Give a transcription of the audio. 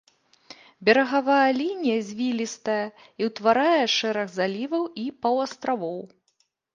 Берагавая лінія звілістая і ўтварае шэраг заліваў і паўастравоў.